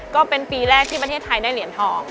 ก็เป็นปีแรกที่ประเทศไทยได้เหรียญทอง